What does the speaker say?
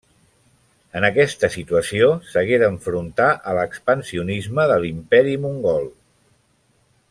En aquesta situació s'hagué d'enfrontar a l'expansionisme de l'Imperi Mongol.